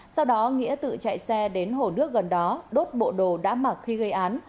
sau đó nghĩa tự chạy xe đến hồ nước gần đó đốt bộ đồ đã mặc khi gây án